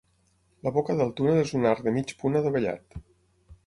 La boca del túnel és un arc de mig punt adovellat.